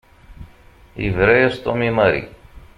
Yebra-yas Tom i Mary.